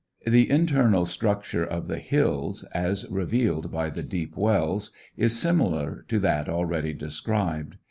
The internal structure of the hills, as revealed by the deep wells, is similar to that already described.